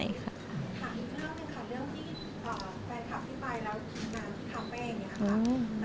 ถามนิดหน้าหนึ่งค่ะเรื่องที่แฟนคลับพี่ปลายแล้วกินน้ำที่คาเฟ่นเนี่ยค่ะ